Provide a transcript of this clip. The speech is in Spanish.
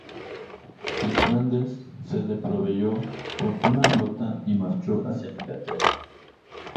En Flandes se le proveyó con una flota y marchó hacia Inglaterra.